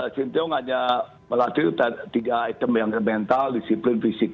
sintio hanya melatih tiga item yang mental disiplin fisik